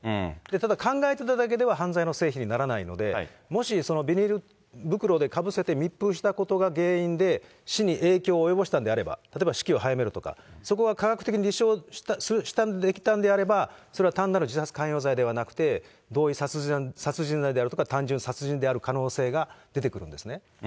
ただ考えてただけでは、犯罪の成否にならないので、もし、そのビニール袋でかぶせて密封したことが原因で、死に影響を及ぼしたんであれば、例えば死期を早めるとか、そこが科学的に立証できたのであれば、それは単なる自殺関与罪ではなくて、同意殺人罪であるとか、単純殺人である可能性が出てくるんですね。